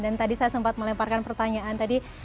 dan tadi saya sempat melemparkan pertanyaan tadi